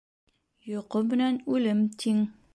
Йоҡо менән үлем тиң.